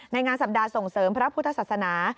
งานสัปดาห์ส่งเสริมพระพุทธศาสนา